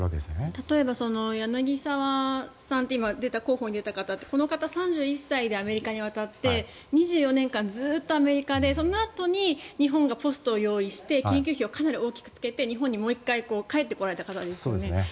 例えば柳沢さんって今、候補に出た方ってこの方３１歳でアメリカに渡って２４年間ずっとアメリカでそのあとに日本がポストを用意して研究費をかなりつけて日本にもう１回帰ってこられた方ですよね。